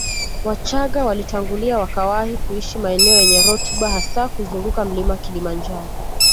Wachaga walitangulia wakawahi kuishi maeneo yenye rutuba hasa kuzunguka mlima Kilimanjaro